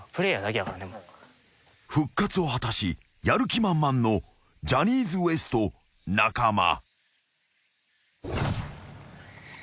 ［復活を果たしやる気満々のジャニーズＷＥＳＴ中間］